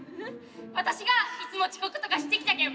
私がいつも遅刻とかしてきたけん